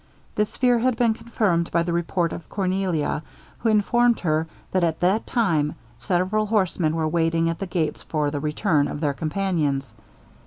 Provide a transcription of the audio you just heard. This fear had been confirmed by the report of Cornelia, who informed her, that at that time several horsemen were waiting at the gates for the return of their companions.